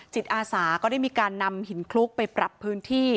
จิตอาสาก็ได้มีการนำหินคลุกไปปรับพื้นที่